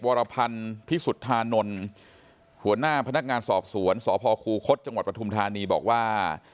วรพันธ์พิสุทธานนท์หัวหน้าพนักงานสอบสวนสพคูคศจังหวัดปฐุมธานีบอกว่า